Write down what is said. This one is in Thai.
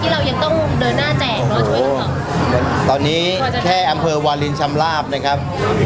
เรายังต้องเดินหน้าแจกโอ้โหตอนนี้แค่อำเภอวาลินชำราบนะครับ